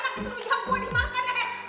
gua bilang anak itu rujak buah dimakan ya